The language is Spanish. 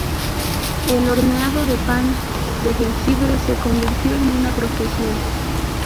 El horneado de pan de jengibre se convirtió en una profesión.